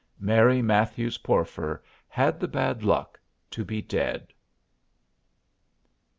Mary Matthews Porfer had the bad luck to be dead.